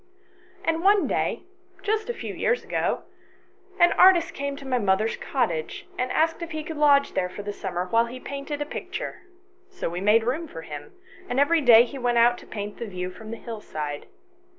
And one day, just a few years ago, an artist came to my mother's cottage, and asked if he could lodge there for the summer while he painted a picture ; so we made room for him, and every day he went out to paint the view from the hillside.